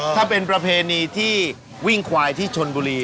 ถ้าเป็นประเพณีที่วิ่งควายที่ชนบุรี